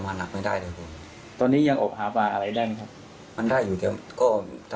เรายังจะช่วยเหลืออีกไหมครับอยากช่วยช่วย